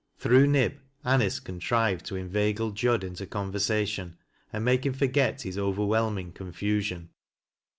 Through Nib, Anice contrived to inveigle Jud into conver jation and make him f Drget his overwhelming conf usiok.